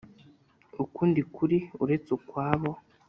ukundi kuri uretse ukwabo